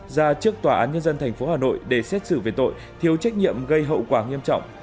ra trước tòa án nhân dân tp hà nội để xét xử về tội thiếu trách nhiệm gây hậu quả nghiêm trọng